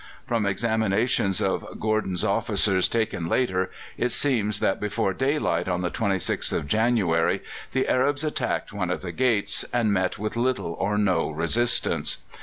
From examinations of Gordon's officers taken later it seems that before daylight on the 26th of January the Arabs attacked one of the gates, and met with little or no resistance.